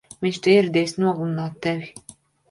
Viņš te ieradies nogalināt tevi!